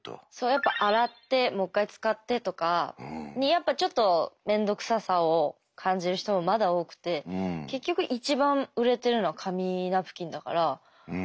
やっぱ洗ってもう１回使ってとかにやっぱちょっと面倒くささを感じる人もまだ多くて結局一番売れてるのは紙ナプキンだから坂井さん